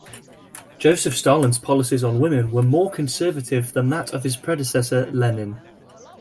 Joseph Stalin's policies on women were more conservative than that of his predecessor Lenin.